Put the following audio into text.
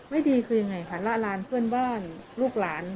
ไม่ดีคือยังไงคะละลานเพื่อนบ้านลูกหลาน